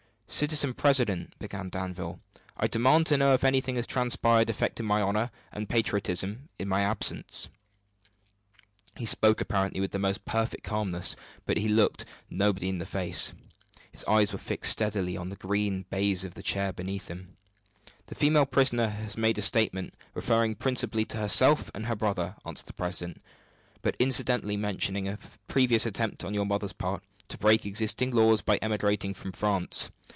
"Citizen president," began Danville, "I demand to know if anything has transpired affecting my honor and patriotism in my absence?" He spoke apparently with the most perfect calmness, but he looked nobody in the face. His eyes were fixed steadily on the green baize of the table beneath him. "The female prisoner has made a statement, referring principally to herself and her brother," answered the president, "but incidentally mentioning a previous attempt on your mother's part to break existing laws by emigrating from France.